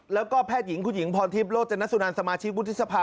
แล้วก็แพทย์หญิงคุณหญิงพรทิพย์โรจนสุนันสมาชิกวุฒิสภา